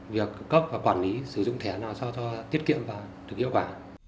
việc cấp và quản lý sử dụng thẻ nào so với tiết kiệm và hiệu quả